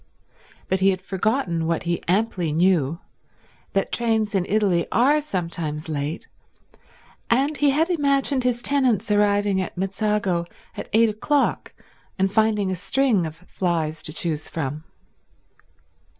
But he had forgotten what he amply knew, that trains in Italy are sometimes late, and he had imagined his tenants arriving at Mezzago at eight o'clock and finding a string of flys to choose from.